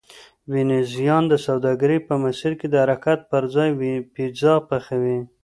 وینزیان د سوداګرۍ په مسیر د حرکت پرځای پیزا پخوي